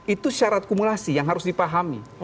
itu syarat kumulasi yang harus dipahami